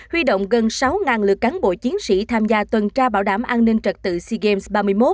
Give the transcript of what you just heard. huy động gần sáu lượt cán bộ chiến sĩ tham gia tuần tra bảo đảm an ninh trật tự sea games ba mươi một